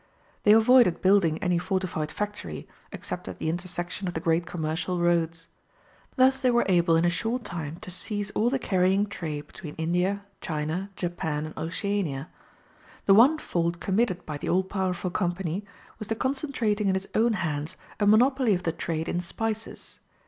They avoided building any fortified factory, except at the intersection of the great commercial roads. Thus they were able in a short time to seize all the carrying trade between India, China, Japan, and Oceania. The one fault committed by the all powerful Company was the concentrating in its own hands a monopoly of the trade in spices.